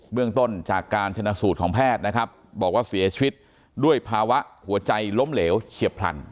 เรื่องต้นจากการชนะสูตรของแพทย์นะครับบอกว่าเสียชีวิตด้วยภาวะหัวใจล้มเหลวเฉียบพลัน